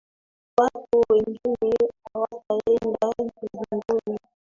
Watu wengine hawataenda mbinguni